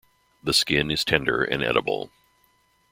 The skin is tender and edible.